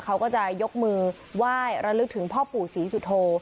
เขาก็จะยกมือไหว้ระลึกถึงพ่อปู่ศรีสุโธ